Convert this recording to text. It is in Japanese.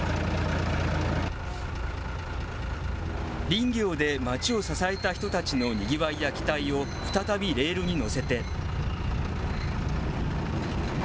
林業で町を支えた人たちのにぎわいや期待を再びレールにのせて。